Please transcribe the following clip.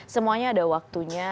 semuanya ada waktunya